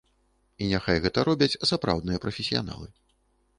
І няхай гэта робяць сапраўдныя прафесіяналы.